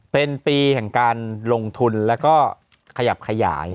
เป็นปีแห่งการลงทุนแล้วก็ขยับขยาย